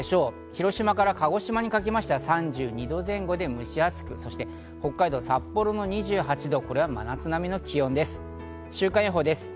広島から鹿児島にかけましては３２度前後で蒸し暑く、北海道・札幌の２８度、これは真夏並みの気温です。